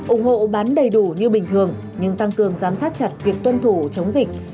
ủng hộ bán đầy đủ như bình thường nhưng tăng cường giám sát chặt việc tuân thủ chống dịch